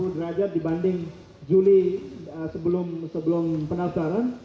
satu ratus delapan puluh derajat dibanding juli sebelum penelusuran